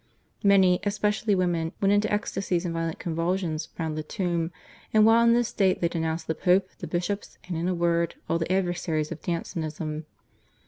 Many, especially women, went into ecstasies and violent convulsions round the tomb, and while in this state they denounced the Pope, the bishops, and in a word all the adversaries of Jansenism.